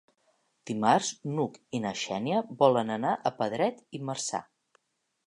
Dimarts n'Hug i na Xènia volen anar a Pedret i Marzà.